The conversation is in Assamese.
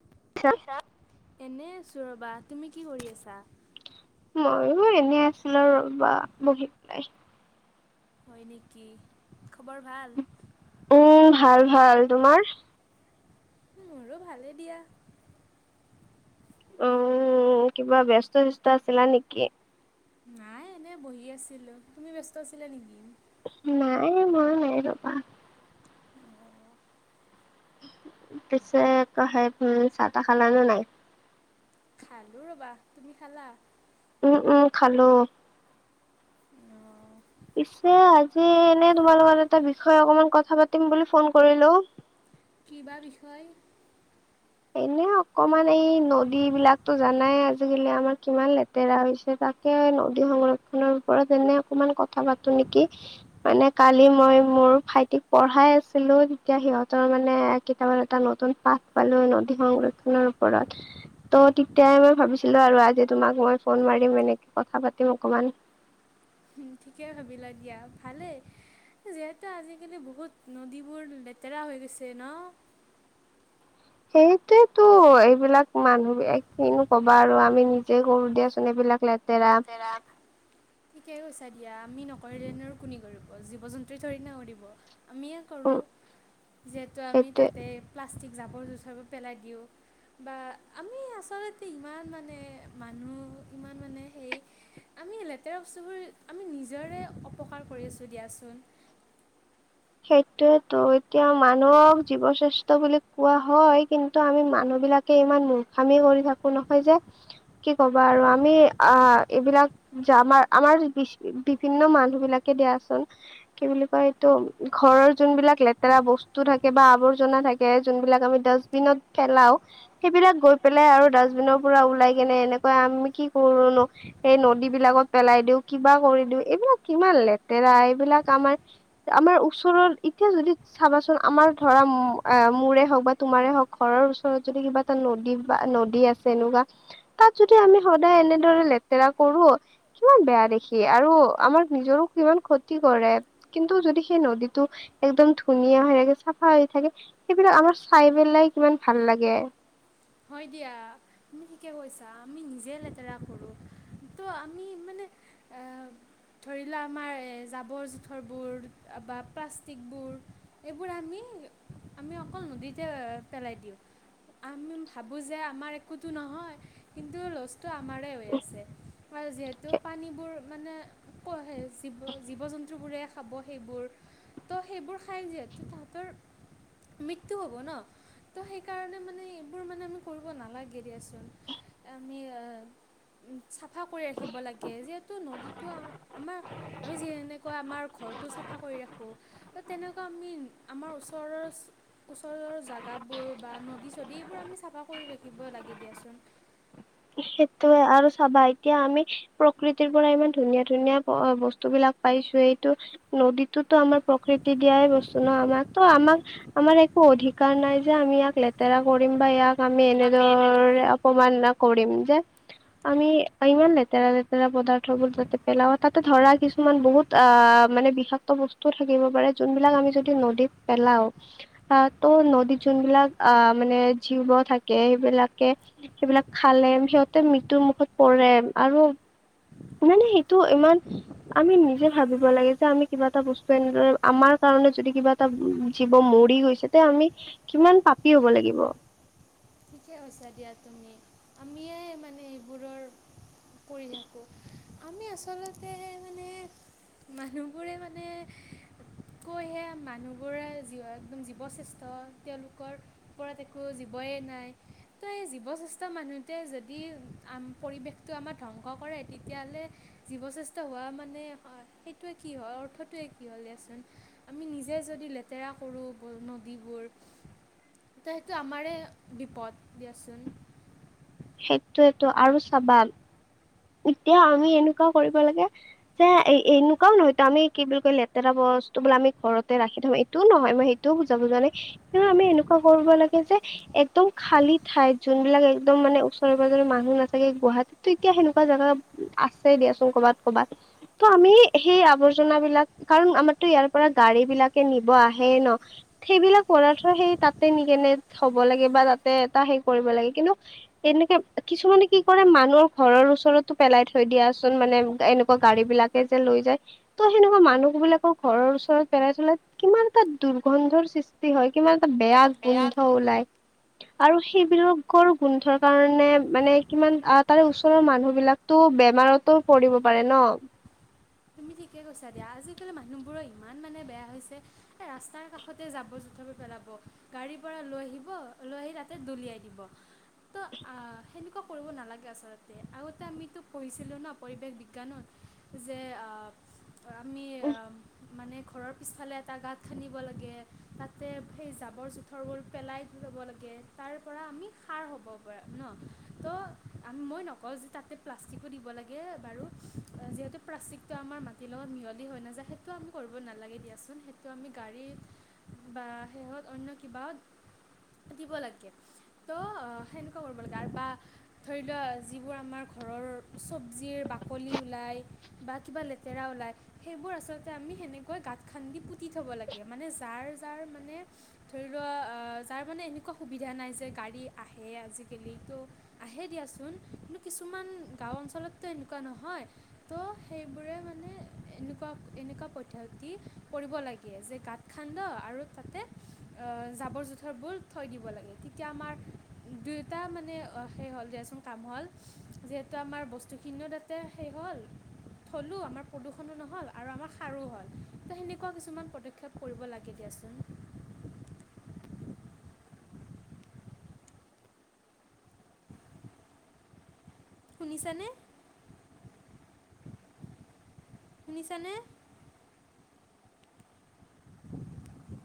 [unintelligible] এনে আছোঁ ৰবা, তুমি কি কৰি আছা? ময়ো এনেই আছিলো আৰু ৰবা, বহি পেলাই। হয় নেকি, খবৰ ভাল? উম ভাল ভাল। তোমাৰ? মোৰো ভালে দিয়া। উম, কিবা ব্যস্ত - স্যস্ত আছিলা নিকি? নাই এনেই বহি আছিলো, তুমি ব্যস্ত আছিলা নেকি? নাই মইও নাই ৰবা। পিছে সে উম চাহ তাহ খালানে নাই খালোঁ ৰ'বা তুমি খালা উম উম খালো। অঁ পিছে আজি এনেই তোমাৰ লগত এটা বিষয়ে অকমান কথা পাতিম বুলি ফোন কৰিলো কিবা বিষয় এনে অকমান এই নদী বিলাকতো জানাই আজিকালি আমাৰ কিমান লেতেৰা হৈছে তাকে নদী সংৰক্ষনৰৰ ওপৰত এনে অকমান কথা পাতো নেকি মানে কালি মই মোৰ ভাইটিক পঢ়াই আছিলো তেতিয়া সিহঁতৰ মানে কিতাপত এটা নতুন পাঠ পালো নদী সংৰক্ষণৰ ওপৰত ত' তেতিয়াই মই ভাবিছিলো আৰু আজি তোমাক মই ফোন মাৰিম এনেকে কথা পাতিম অকমান উম ঠিকে ভাবিলা দিয়া ভালেই যিহেতু আজিকালি বহুত নদীবোৰ লেতেৰা হৈ গৈছে ন সেইটোৱে এইটো এইবিলাক মানুহ কিনো কবা আৰু আমি নিজে কৰো দিয়াচোন এইবিলাক লেত লেতেৰা ঠিকে কৈছা দিয়া আমি নকৰিলেনো আৰু কোনে কৰিব জীৱ জন্তুই ঠৰিনা কৰিব আমিয়ে কৰো উম যিহেতু আমি সেইটোৱে তাতে প্লাষ্টিক জাবৰ জোথৰবোৰ পেলাই দিওঁ। বা আমি আচলতে ইমান মানে মানুহ ইমান মানে সেই আমি লেতেৰা বস্তুবোৰ আমি নিজৰে অপকাৰ কৰি আছো দিয়াচোন সেইটোয়েতো এতিয়া মানুহক জীৱ শ্ৰেষ্ঠ বুলি কোৱা হয় কিন্তু আমি মানুহ বিলাকে ইমান মুখামি কৰি থাকো নহয় যে কি ক'বা আৰু আমি আ এইবিলাক যা আমাৰ আমাৰ বি বিভিন্ন মানুহ বিলাকে দিয়াচোন কি বুলি কয় এইটো ঘৰৰ যোনবিলাক লেতেৰা বস্তু থাকে বা আৱৰ্জনা থাকে যোনবিলাক আমি ডাষ্টবিনত পেলাও সেইবিলাক গৈ পেলাই আৰু ডাষ্টবিনৰ পৰা ওলাই কেনে এনেকৈ আমি কি কৰো নো সেই নদী বিলাকত পেলাই দিও কিবা কৰি দিও এইবিলাক কিমান লেতেৰা এইবিলাক আমাৰ আমাৰ ওচৰৰত এতিয়া যদি চাবাচোন আমাৰ ধৰা মোৰে হওক বা তোমাৰে হওক ঘৰৰ ওচৰত যদি কিবা এ নদী বা নদী আছে এনেকুৱা তাত যদি আমি সদায় এনেদৰে লেতেৰা কৰো কিমান বেয়া দেখি আৰু আমাৰ নিজৰো কিমান ক্ষতি কৰে কিন্তু যদি সেই নদীত টো একদম ধুনীয়া হৈ থাকে চাফা হৈ থাকে সেইবিলাক আমাৰ চাই পেলাই কিমান ভাল লাগে হয় দিয়া তুমি ঠিকে কৈছা আমি নিজে লেতেৰা কৰো তো আমি মানে এ ধৰি লোৱা আমাৰ জাবৰ জোথৰবোৰ বা প্লাষ্টিকবোৰ এইবোৰ আমি আমি অকল নদীতে পেলাই দিওঁ আমি ভাবোঁ যে আমাৰ একোতো নহয় কিন্তু লছটো আমাৰে হৈ আছে আৰু যিহেতু পানীবোৰ মানে কহে জীৱ জীৱ জন্তুবোৰে খাব সেইবোৰ ত' সেইবোৰ খাই যিহেতু তাহাঁতৰ মৃত্যু হ'ব ন ত সেইকাৰণে মানে সেইবোৰ মানে আমি কৰিব নালাগে দিয়াচোন আমি এ চাফা কৰি ৰাখিব লাগে যিহেতু নদীটো আমাৰ আমি যি এনেকুৱা আমাৰ ঘৰটো চাফা কৰি ৰাখো ত' তেনেকুৱা আমি আমাৰ ওচৰৰ ওচৰৰ জাগাবোৰ বা নদী চদী বোৰ আমি চাফা কৰি ৰাখিব লাগে দিয়াচোন। সেইটোয়ে আৰু চাবা এতিয়া আমি প্ৰকৃতিৰ পৰা ইমান ধুনীয়া ধুনীয়া ব বস্তুবিলাক পাইছোঁ, এইটো নদীতোতো আমাৰ প্ৰকৃতি দিয়াই বস্তু ন' আমাক। ত' আমাক আমাৰ একো অধিকাৰ নাই যে আমি ইয়াক লেতেৰা কৰিম বা ইয়াক আমি এনেদৰে অপমাননা কৰিম যে আমি ইমান লেতেৰাৰে [unintelligible] পদাৰ্থবোৰ যাতে পেলাৱাত তাতে ধৰা কিছুমান বহুত আ, মানে বিষাক্ত বস্তু থাকিব পাৰে যোনবিলাক আমি যদি নদীত পেলাও। তাতো নদীত যোনবিলাক আ, মানে জীৱ থাকে সেইবিলাকে সেইবিলাক খালে সিহঁতে মৃত্যুৰ মুখত পৰে আৰু নাই নাই সেইটো ইমান আমি নিজে ভাবিব লাগে যে আমি কিবা এটা বস্তু এনেদৰে, আমাৰ কাৰণে যদি কিবা এটা জীৱ মৰি গৈছে তে আমি কিমান পাপি হ'ব লাগিব। ঠিকে কৈছা দিয়া তুমি। আমিয়ে মানে এইবোৰৰ কৰি থাকোঁ। আমি আচলতে মানে, মানুহবোৰে মানে কৈহে মানুহবোৰে একদম জীৱশ্ৰেষ্ঠ তেওঁলোকৰ। ওপৰত একো জীৱয়েই নাই। ত' এই জীৱশ্যেষ্ঠ মানুহটোৱে যদি পৰিৱেশটো আমাৰ ধ্বংস কৰে তেতিয়াহ'লে জীৱশ্ৰেষ্ঠ হোৱা মানে সেইটোৱে কি হয়, অৰ্থটোৱে কি হ'ল দিয়াচোন। আমি নিজে যদি লেতেৰা কৰোঁ নদীবোৰ তে সেইটো আমাৰে বিপদ দিয়াচোন। সেইটোয়েটো আৰু চাবা এতিয়া আমি এনেকুৱা কৰিব লাগে যে এ, এনেকুৱাও নহয়টো, আমি কি বুলি কয় লেতেৰা বস্তু বোলে আমি ঘৰতে ৰাখি থ'ম টো নহয়, মই সেইটোও বুজাব বুজা নাই কিন্তু আমি এনেকুৱা কৰিব লাগে যে একদম খালী ঠাইত যোনবিলাক একদম মানে ওচৰে পাজৰে মানুহ নাথাকে। গুৱাহাটীটো এতিয়া সেনে কা জাগা আছে দিয়াচোন ক'ৰবাত ক'ৰবাত। ত' আমি সেই আৱৰ্জনাবিলাক কাৰণ আমাৰতো ইয়াৰ পৰা গাড়ীবিলাকে নিব আহে ন'। সেইবিলাক পদাৰ্থ সেই তাতে নিকেনে হ'ব লাগে বা তাতে এটা সেই কৰিব লাগে কিন্তু এনেকে, কিছুমানে কি কৰে মানুহৰ ঘৰৰ ওচৰ ওচৰতো পেলাই থৈ দিয়াচোন মানে এনেকুৱা গাড়ীবিলাকে যে লৈ যায়। ত' সেনেকুৱা মানুহবিলাকৰ ঘৰৰ ওচৰত পেলাই থলে কিমান এটা দুৰ্গন্ধৰ সৃষ্টি হয়, কিমান এটা বেয়া গোন্ধ ওলাই। আৰু সেইবোৰকৰ গোন্ধৰ কাৰণে মানে কিমান আ, তাৰে ওচৰৰ মানুহ বিলাকতো বেমাৰতো পৰিব পাৰে ন'? তুমি ঠিকে কৈছা দিয়া। আজিকালি মানুহবোৰৰ ইমান মানে বেয়া হৈছে। ৰাস্তাৰ কাষতে যজাবৰ জোথৰবোৰ পেলাব, গাড়ীৰ পৰা লৈ আহিব লৈ আহি তাতে দলিয়াই দিব। ত' আ, সেনেকুৱা কৰিব নালাগে আচলতে। আগতে আমিতো পঢ়িছিলোঁ না পৰিৱেশ বিজ্ঞানত। যে আ, আমি আ, মানে ঘৰৰ পিছফালে এটা গাঁত খান্দিব লাগে তাতে সেই জাবৰ জোথৰবোৰ পেলাই ল'ব লাগে। তাৰ পৰা আমি সাৰ হ'ব পাৰোঁ ন'? ত' আ মই নকওঁ যে তাতে প্লাষ্টিকো দিব লাগে বাৰু যিহেতু প্লাষ্টিকটো আমাৰ মাটিৰ লগত মিহলি হৈ নাযায়, সেইটো আমি কৰিব নালাগে দিয়াচোন, সেইটো আমি গাড়ী বা শেহত অন্য কিবা দিব লাগে। ত' অ সেনেকুৱা কৰিব লাগে আৰু বা ধৰি লোৱা যিবোৰ আমাৰ ঘৰৰ চব্জিৰ বাকলি উলায়। বা কিবা লেতেৰা ওলাই সেইবোৰ আচলতে আমি সেনেকৈ গাঁত খান্দি পুতি থ'ব লাগে মানে যাৰ, যাৰ মানে। ধৰি লোৱা যাৰ মানে এনেকুৱা সুবিধা নাই যে গাড়ী আহে আজিকালি তো আহে দিয়াচোন কিন্তু কিছুমান গাঁও অঞ্চলতো এনেকুৱা নহয়। তো সেইবোৰে মানে এনেকুৱা, এনেকুৱা পদ্ধতি পৰিব লাগে যে গাত খান্দ আৰু তাতে জাবৰ জোথৰবোৰ থৈ দিব লাগে তেতিয়া আমাৰ। দুয়োটা মানে সেই হ'ল দিয়া চোন কাম হ'ল যিহেতু আমাৰ বস্তুখিনিও তাতে সেই হ'ল- থলো আমাৰ প্ৰদূষণো নহ'ল আৰু আমাৰ সাৰো হ'ল তো সেনেকুৱা কিছুমান পদক্ষেপ কৰিব লাগে দিয়াচোন। শুনিছানে, শুনিছানে। [inaudible]